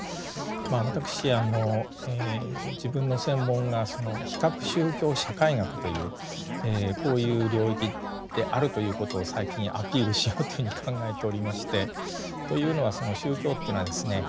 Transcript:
私自分の専門が比較宗教社会学というこういう領域であるということを最近アピールしようというふうに考えておりましてというのはその宗教というのはですね